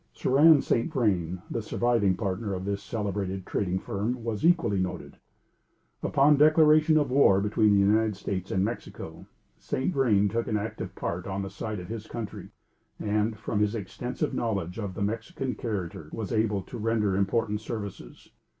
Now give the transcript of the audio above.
Cerin St. Vrain, the surviving partner of this celebrated trading firm was equally noted. Upon the declaration of war between the United States and Mexico, St. Vrain took an active part on the side of his country, and, from his extensive knowledge of the Mexican character, was enabled to render important services.